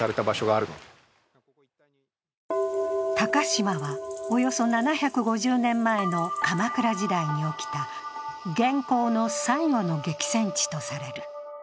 鷹島はおよそ７５０年前の鎌倉時代に起きた元寇の最後の激戦地とされる。